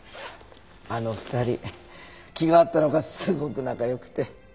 あの２人気が合ったのかすごく仲良くて。